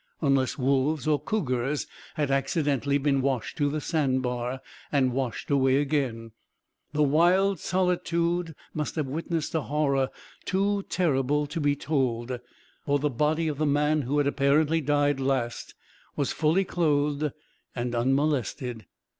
Unless wolves or cougars had accidentally been washed to the sand bar, and washed away again, the wild solitude must have witnessed a horror too terrible to be told; for the body of the man who had apparently died last was fully clothed and unmolested.